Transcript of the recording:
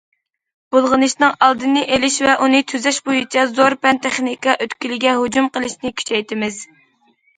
بۇلغىنىشنىڭ ئالدىنى ئېلىش ۋە ئۇنى تۈزەش بويىچە زور پەن- تېخنىكا ئۆتكىلىگە ھۇجۇم قىلىشنى كۈچەيتىمىز.